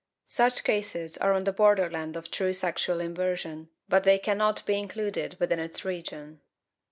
Such cases are on the borderland of true sexual inversion, but they cannot be included within its region.